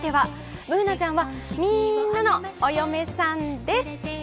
Ｂｏｏｎａちゃんはみんなのお嫁さんです。